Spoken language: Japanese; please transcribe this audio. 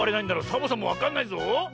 サボさんもわかんないぞ。